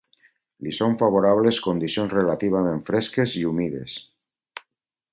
Li són favorables condicions relativament fresques i humides.